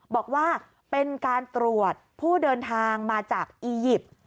บอกว่าเป็นการตรวจผู้เดินทางมาจากอียิปต์